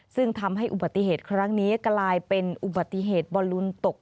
ซึ่งทำให้อุบัติเหตุครั้งนี้กลายเป็นอุบัติเหตุบอลลูนตก